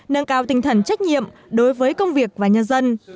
nâng cao tinh thần trách nhiệm đối với công việc và nhân dân